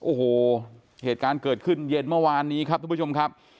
โอ้โหเหตุการณ์เกิดขึ้นเย็นเมื่อวานนี้ครับทุกผู้ชมครับ